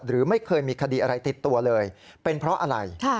หรือไม่เคยมีคดีอะไรติดตัวเลยเป็นเพราะอะไร